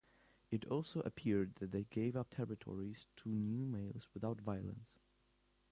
It also appeared that they gave up territories to new males without violence.